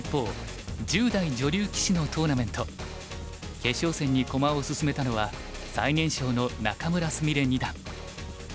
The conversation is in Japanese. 決勝戦に駒を進めたのは最年少の仲邑菫二段。